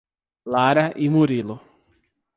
Lara e Murilo